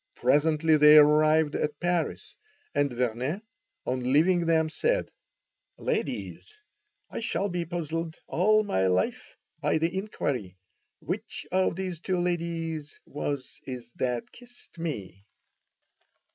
Presently they arrived at Paris, and Vernet, on leaving them, said: "Ladies, I shall be puzzled all my life by the inquiry, which of these two ladies was it that kissed me?"